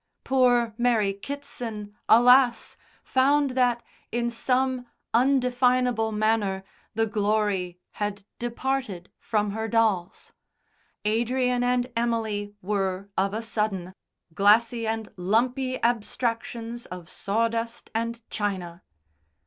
Poor Mary Kitson, alas! found that, in some undefinable manner, the glory had departed from her dolls. Adrian and Emily were, of a sudden, glassy and lumpy abstractions of sawdust and china.